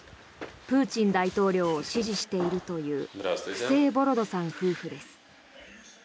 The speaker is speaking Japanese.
プーチン大統領を支持しているというフセーボロドさん夫婦です。